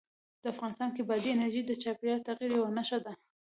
افغانستان کې بادي انرژي د چاپېریال د تغیر یوه نښه ده.